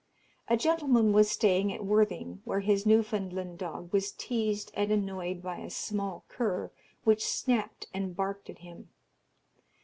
A gentleman was staying at Worthing, where his Newfoundland dog was teased and annoyed by a small cur, which snapped and barked at him.